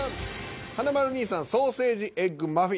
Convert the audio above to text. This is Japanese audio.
華丸兄さん「ソーセージエッグマフィン」